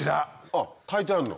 あっ炊いてあんの？